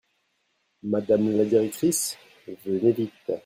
Madame la directrice, venez vite.